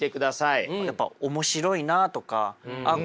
やっぱ面白いなとかあっ